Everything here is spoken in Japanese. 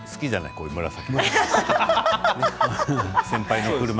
こういう紫。